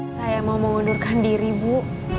saya mau mengundurkan diri bu